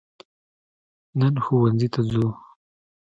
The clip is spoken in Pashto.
نن ښوونځي ته ځو